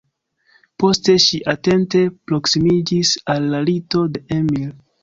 Poste ŝi atente proksimiĝis al la lito de Emil.